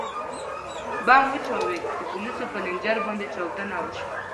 ـ بم وچاودېد، د پولیسو پر رینجر باندې چاودنه وشوه.